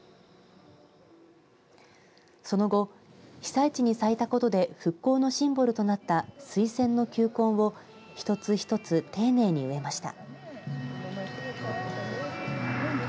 その後被災地に咲いたことで復興のシンボルとなった水仙の球根を一つ一つ丁寧に植えました。